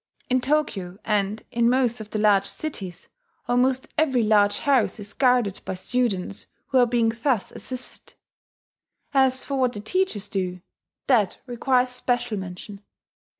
In Tokyo, and in most of the large cities, almost every large house is guarded by students who are being thus assisted. As for what the teachers do that requires special mention.